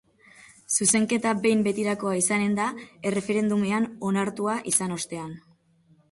Zuzenketa behin betirakoa izanen da erreferendumean onartua izan ostean.